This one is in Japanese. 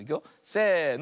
せの。